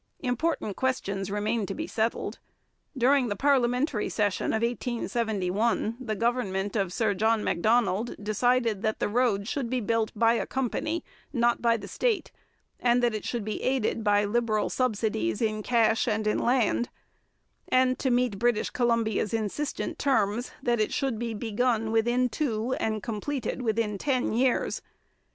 Important questions remained to be settled. During the parliamentary session of 1871 the government of Sir John Macdonald decided that the road should be built by a company, not by the state, that it should be aided by liberal subsidies in cash and in land, and, to meet British Columbia's insistent terms, that it should be begun within two, and completed within ten, years.